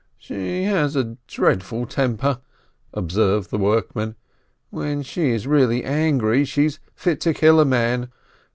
"She has a dreadful temper," observed the workman. "When she is really angry, she's fit to kill a man.